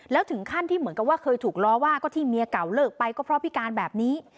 แล้วถึงขั้นที่เหมือนกับว่าเคยถูกล้อว่าก็ที่เมียเก่าเลิกไปก็เพราะพิการแบบนี้